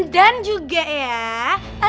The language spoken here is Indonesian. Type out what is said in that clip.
dan juga ya